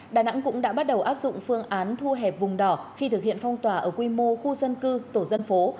đà nẵng cũng đã bắt đầu áp dụng phương án thu hẹp vùng đỏ khi thực hiện phong tỏa ở quy mô khu dân cư tổ dân phố